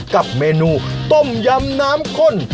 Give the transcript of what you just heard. กับเมนูต้มยำน้ำข้น